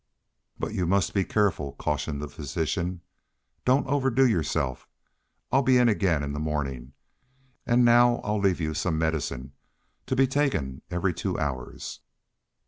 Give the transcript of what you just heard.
"But you must be careful," cautioned the physician. "Don't overdo yourself. I'll be in again in the morning, and now I'll leave you some medicine, to be taken every two hours."